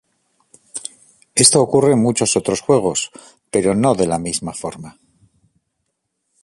Esto ocurre en muchos otros juegos, pero no de la misma forma.